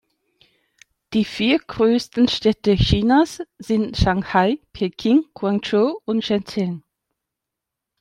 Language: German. Die vier größten Städte Chinas sind Shanghai, Peking, Guangzhou und Shenzhen.